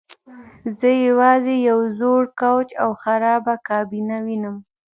زه یوازې یو زوړ کوچ او خرابه کابینه وینم